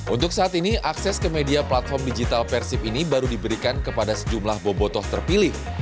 untuk saat ini akses ke media platform digital persib ini baru diberikan kepada sejumlah bobotoh terpilih